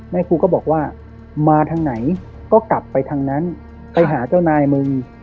ครูก็บอกว่ามาทางไหนก็กลับไปทางนั้นไปหาเจ้านายมึง